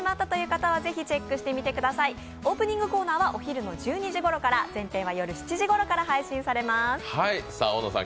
オープニングコーナーはお昼の１２時ごろから、全編は夜７時ごろから配信されます